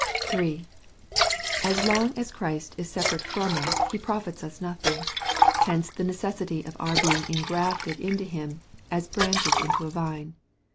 III. As long as Christ is separate from us, he profits us nothing. Hence the necessity of our being ingrafted into him, as branches into a vine.